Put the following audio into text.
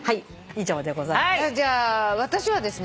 以上でございます。